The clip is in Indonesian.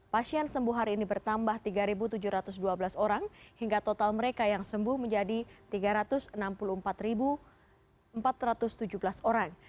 pasien sembuh hari ini bertambah tiga tujuh ratus dua belas orang hingga total mereka yang sembuh menjadi tiga ratus enam puluh empat empat ratus tujuh belas orang